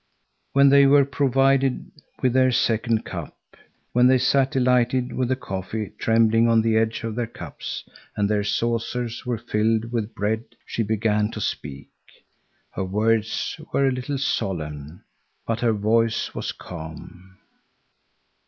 When they were provided with their second cup, when they sat delighted with the coffee trembling on the edge of their cups, and their saucers were filled with bread, she began to speak. Her words were a little solemn, but her voice was calm.